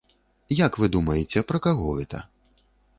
Як вы думаеце, пра каго гэта?